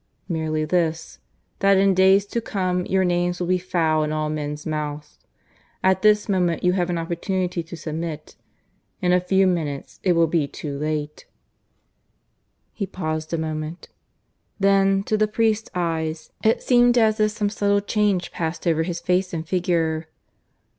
Merely this that in days to come your names will be foul in all men's mouths. ... At this moment you have an opportunity to submit; in a few minutes it will be too late." He paused a moment. Then, to the priest's eyes, it seemed as if some subtle change passed over his face and figure.